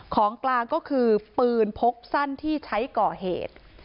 ของกลางก็คือปืนพกสั้นที่ใช้ก่อเหตุ